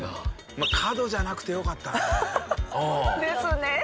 まあ角じゃなくてよかったね。ですね。